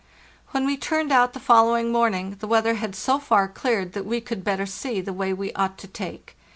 When we turned out the following morning, the weather had so far cleared that we could better see the way we ought to take.